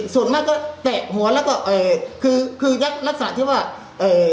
ส่วนมากก็แตะหัวแล้วก็เอ่อคือคือลักษณะที่ว่าเอ่อ